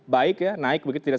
baik ya naik begitu tidak